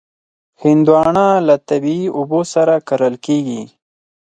هندوانه له طبعي اوبو سره کرل کېږي.